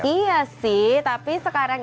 iya sih tapi sekarang